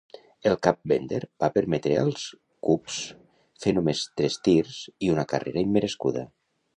El cap Bender va permetre als Cubs fer només tres tirs i una carrera immerescuda.